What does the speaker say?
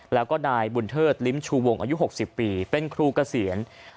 แล้วก็นายบุญเทิดลิ้มชูวงอายุ๖๐ปีเป็นครูเกษียณ